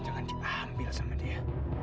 jangan jangan diambil sama dia